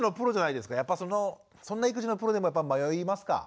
そんな育児のプロでもやっぱ迷いますか？